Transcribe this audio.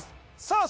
さあ